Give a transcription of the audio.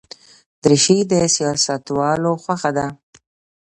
دریشي د سیاستوالو خوښه ده.